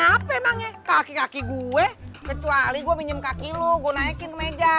ngapain mak kaki kaki gue kecuali gue minum kaki lo gue naikin ke meja